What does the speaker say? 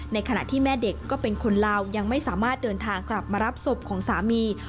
ขณะที่แม่เด็กก็เป็นคนลาวยังไม่สามารถเดินทางกลับมารับศพของสามี